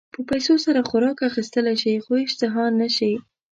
په پیسو سره خوراک اخيستلی شې خو اشتها نه شې.